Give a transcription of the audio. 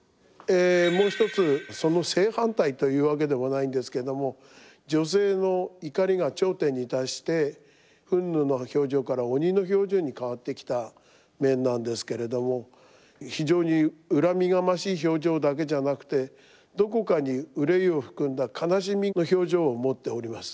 もう一つその正反対というわけでもないんですけども女性の怒りが頂点に達して憤怒の表情から鬼の表情に変わってきた面なんですけれども非常に恨みがましい表情だけじゃなくてどこかに憂いを含んだ悲しみの表情を持っております。